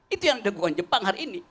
itu yang dilakukan jepang hari ini